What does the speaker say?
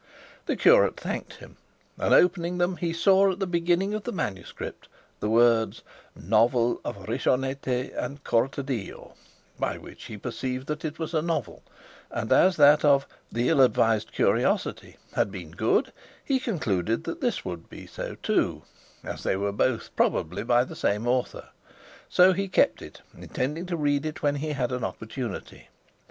The curate thanked him, and opening them he saw at the beginning of the manuscript the words, "Novel of Rinconete and Cortadillo," by which he perceived that it was a novel, and as that of "The Ill advised Curiosity" had been good he concluded this would be so too, as they were both probably by the same author; so he kept it, intending to read it when he had an opportunity.